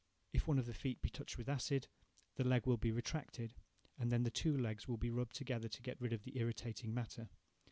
If one of the feet be touched with acid, the leg will be retracted, and then the two legs will be rubbed together to get rid of the irritating matter.